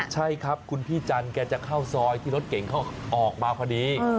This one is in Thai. ใช่ครับคุณพี่จันทร์แกจะเข้าซอยที่รถเก่งเขาออกมาพอดี